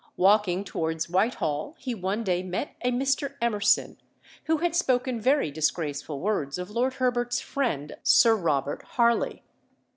Walking towards Whitehall he one day met a Mr. Emerson, who had spoken very disgraceful words of Lord Herbert's friend, Sir Robert Harley.